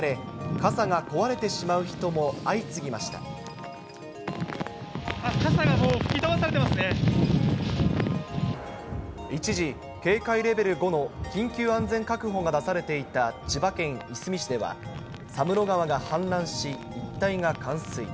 傘がもう吹き飛ばされてます一時、警戒レベル５の緊急安全確保が出されていた千葉県いすみ市では、佐室川が氾濫し、一帯が冠水。